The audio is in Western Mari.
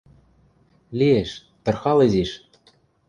— Лиэш... тырхал изиш...